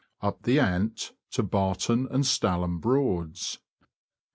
UP THE ANT, TO BARTON AND STALHAM BROADS.